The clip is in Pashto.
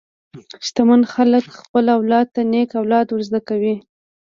شتمن خلک خپل اولاد ته نېک اخلاق ورزده کوي.